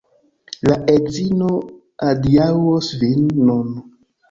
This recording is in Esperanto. La edzino adiaŭos vin nun